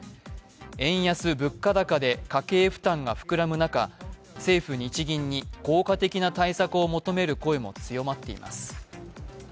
円安・物価高で家計負担が膨らむ中政府・日銀に、効果的な対策を求める声も強まっています。